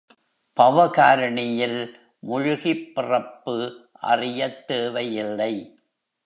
பவகாரணியில் முழுகிப் பிறப்பு அறியத் தேவை இல்லை.